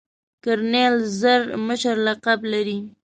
کرنیل زر مشر لقب لري.